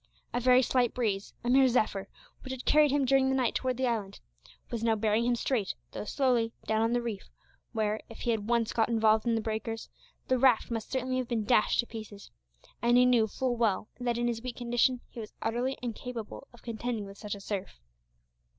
A very slight breeze a mere zephyr which had carried him during the night towards the island, was now bearing him straight, though slowly, down on the reef, where, if he had once got involved in the breakers, the raft must certainly have been dashed to pieces; and he knew full well, that in his weak condition, he was utterly incapable of contending with such a surf.